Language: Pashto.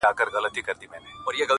چي خان ئې، په ياران ئې.